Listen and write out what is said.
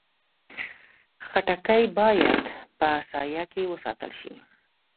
خټکی باید په سایه کې وساتل شي.